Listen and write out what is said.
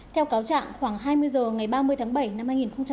theo cáo trạng khoảng hai mươi h ngày ba mươi tháng bảy năm hai nghìn hai mươi